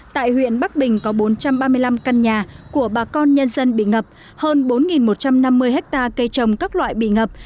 tại huyện bắc bình có bốn trăm ba mươi năm căn nhà của bà con nhân dân bị ngập hơn bốn một trăm năm mươi hectare cây trồng các loại bị ngập